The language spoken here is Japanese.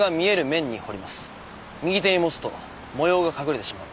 右手に持つと模様が隠れてしまう。